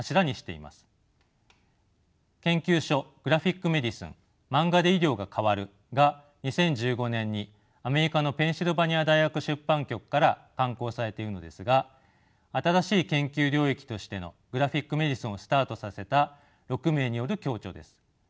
研究書「グラフィック・メディスンマンガで医療が変わる」が２０１５年にアメリカのペンシルバニア大学出版局から刊行されているのですが新しい研究領域としてのグラフィック・メディスンをスタートさせた６名による共著です。